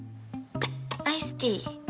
アイスティー。